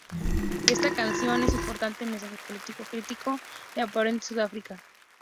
Esta canción tiene un importante mensaje político criticando el Apartheid de Sudáfrica.